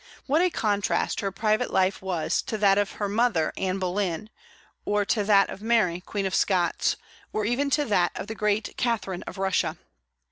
What a contrast her private life was to that of her mother Anne Boleyn, or to that of Mary, Queen of Scots, or even to that of the great Catherine of Russia!